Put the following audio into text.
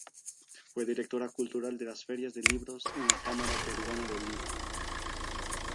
Fue Directora Cultural de las Ferias de Libros en la Cámara Peruana del Libro.